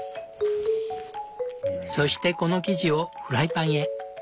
そしてこの生地をフライパンへ。